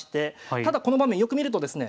ただこの場面よく見るとですね